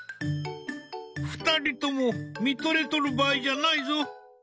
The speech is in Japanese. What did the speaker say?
２人とも見とれとる場合じゃないぞ。